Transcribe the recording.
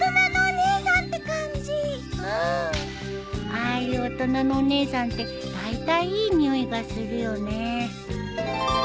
ああいう大人のお姉さんってだいたいいい匂いがするよね。